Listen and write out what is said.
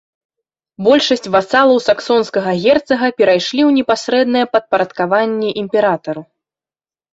Большасць васалаў саксонскага герцага перайшлі ў непасрэднае падпарадкаванне імператару.